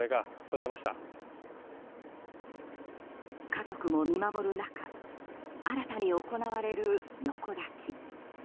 家族も見守る中新たに行われる横抱き。